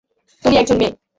তুমি একজন মেয়ে।